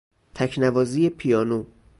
تکنوازی پیانو